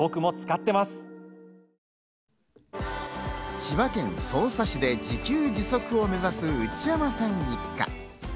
千葉県匝瑳市で自給自足を目指す内山さん一家。